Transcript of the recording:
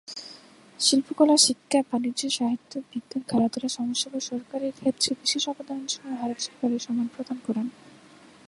শিল্পকলা, শিক্ষা, বাণিজ্য, সাহিত্য, বিজ্ঞান, খেলাধূলা, সমাজসেবা ও সরকারি ক্ষেত্রে বিশেষ অবদানের জন্য ভারত সরকার এই সম্মান প্রদান করেন।